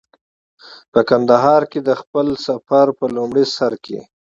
په کندهار کې د خپل سفر په لومړي سر کې.